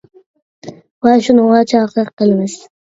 ۋە شۇنىڭغا چاقىرىق قىلىمىز !